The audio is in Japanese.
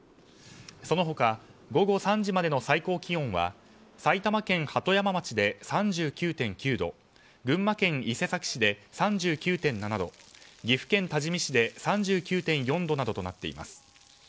その他午後３時までの最高気温は埼玉県鳩山町で３９．９度群馬県伊勢崎市で３９．７度岐阜県多治見市で３９．４度などとなっています。